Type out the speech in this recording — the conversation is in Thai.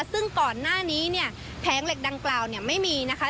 ซึ่งก่อนหน้านี้เนี่ยแผงเหล็กดังกล่าวเนี่ยไม่มีนะคะ